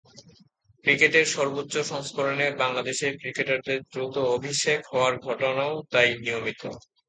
ক্রিকেটের সর্বোচ্চ সংস্করণে বাংলাদেশের ক্রিকেটারদের দ্রুত অভিষেক হওয়ার ঘটনাও তাই নিয়মিত।